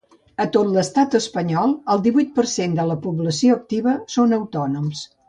A tot l’estat espanyol, el divuit per cent de la població activa són autònoms.